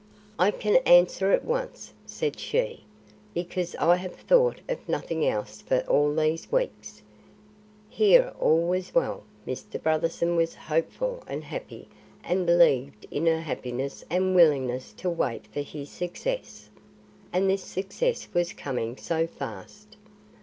"I can answer at once," said she, "because I have thought of nothing else for all these weeks. Here all was well. Mr. Brotherson was hopeful and happy and believed in her happiness and willingness to wait for his success. And this success was coming so fast!